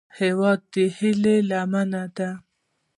هیواد د هیلې لمنه ده